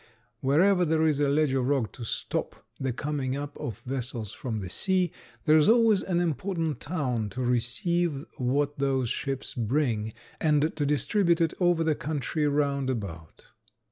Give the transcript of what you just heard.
Wherever there is a ledge of rock to stop the coming up of vessels from the sea there is always an important town to receive what those ships bring and to distribute it over the country round about.